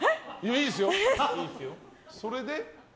いいですよ。